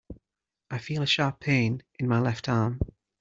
I feel a sharp pain in my left arm.